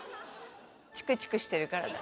チクチクしてるからだ。